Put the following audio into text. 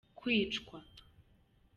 kwicwa.